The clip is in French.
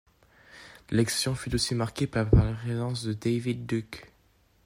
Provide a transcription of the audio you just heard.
L'élection fut aussi marquée par la présence de David Duke.